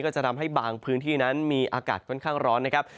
จะทำให้บางพื้นที่นั้นมีอากาศค่อนข้างร้อนนะครับ